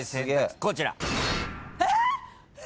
こちら。